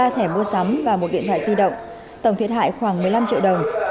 ba thẻ mua sắm và một điện thoại di động tổng thiệt hại khoảng một mươi năm triệu đồng